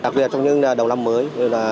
đặc biệt trong những đầu năm mới